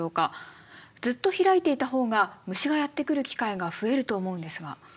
ずっと開いていた方が虫がやって来る機会が増えると思うんですが。